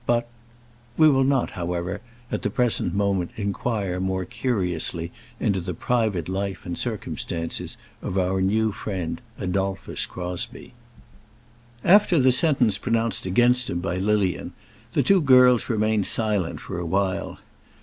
But We will not, however, at the present moment inquire more curiously into the private life and circumstances of our new friend Adolphus Crosbie. After the sentence pronounced against him by Lilian, the two girls remained silent for awhile.